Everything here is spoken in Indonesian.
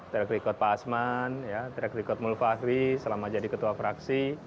track record pak asman track record mulfahri selama jadi ketua fraksi